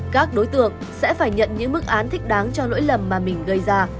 các đối tượng sẽ phải nhận những mức án thích đáng cho lỗi lầm mà mình gây ra